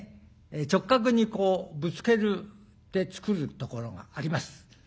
直角にこうぶつけて作るところがあります。